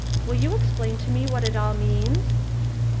Will you explain to me what it all means